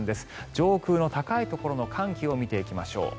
上空の高いところの寒気を見ていきましょう。